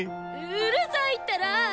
うるさいったら！